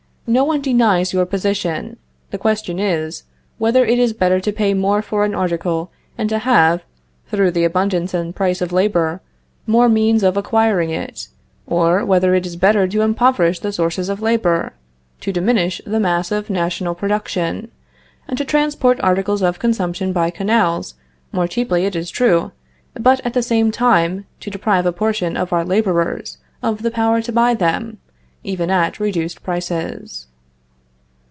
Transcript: No one denies your proposition. The question is, whether it is better to pay more for an article, and to have, through the abundance and price of labor, more means of acquiring it, or whether it is better to impoverish the sources of labor, to diminish the mass of national production, and to transport articles of consumption by canals, more cheaply it is true, but, at the same time, to deprive a portion of our laborers of the power to buy them, even at these reduced prices."